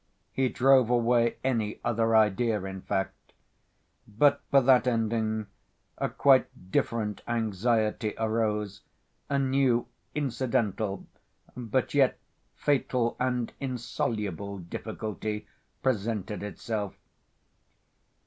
He drove away any other idea, in fact. But for that ending a quite different anxiety arose, a new, incidental, but yet fatal and insoluble difficulty presented itself.